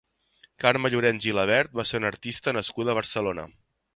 Carme Llorens Gilabert va ser una artista nascuda a Barcelona.